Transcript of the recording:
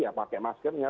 ya pakai maskernya